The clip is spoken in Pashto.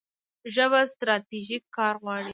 ژبه ستراتیژیک کار غواړي.